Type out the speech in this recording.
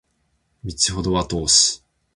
道程は遠し